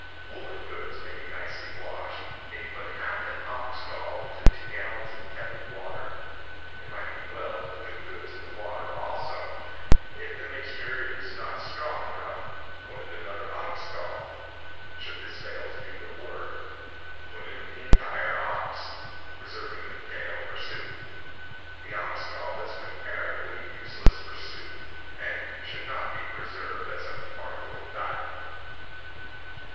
Woolen goods may be nicely washed if you put half an ox gall into two gallons of tepid water. It might be well to put the goods in the water also. If the mixture is not strong enough, put in another ox gall. Should this fail to do the work, put in the entire ox, reserving the tail for soup. The ox gall is comparatively useless for soup, and should not be preserved as an article of diet.